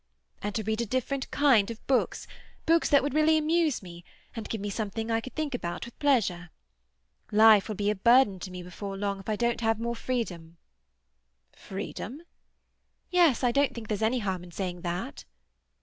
And to read a different kind of books; books that would really amuse me, and give me something I could think about with pleasure. Life will be a burden to me before long if I don't have more freedom." "Freedom?" "Yes, I don't think there's any harm in saying that."